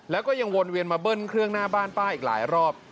แล้วก็ยังวนเวียนมาเบิ้ลเครื่องหน้าบ้านป้าอีกหลายรอบ